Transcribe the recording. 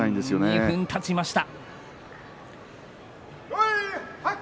２分たちました。